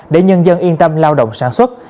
để nhân dân yên tâm lao động sản xuất